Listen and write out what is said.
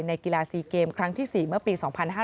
กีฬา๔เกมครั้งที่๔เมื่อปี๒๕๕๙